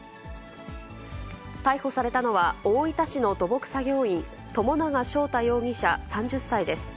逮捕されたのは、大分市の土木作業員、友永翔太容疑者３０歳です。